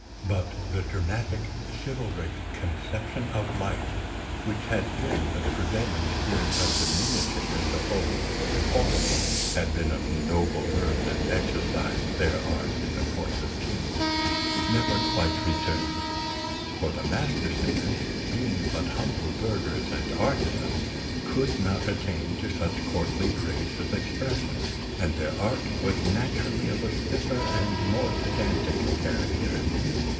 But the dramatic, chivalric conception of life, which had been the prevailing spirit of the Minnesingers of old, all of whom had been of noble birth and exercised their art in the courts of kings, never quite returned; for the Mastersingers, being but humble burghers and artisans, could not attain to such courtly grace of expression, and their art was naturally of a stiffer and more pedantic character.